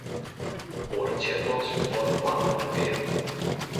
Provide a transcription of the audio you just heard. Oare chatbots, oare noarmen en wearden.